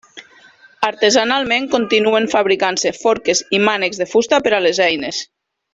Artesanalment continuen fabricant-se forques i mànecs de fusta per a les eines.